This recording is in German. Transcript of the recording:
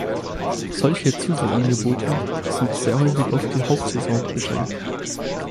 Solche Zusatzangebote sind sehr häufig auf die Hauptsaison beschränkt.